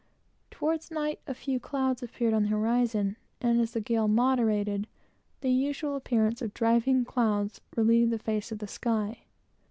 Towards night, a few clouds appeared in the horizon, and as the gale moderated, the usual appearance of driving clouds relieved the face of the sky.